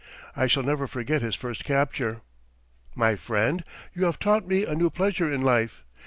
I shall never forget his first capture: "My friend, you have taught me a new pleasure in life.